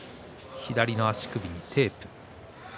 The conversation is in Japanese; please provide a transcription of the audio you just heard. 左の足首にテープ。